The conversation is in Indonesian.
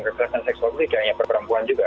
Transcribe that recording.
kekerasan seksual itu tidak hanya perperampuan juga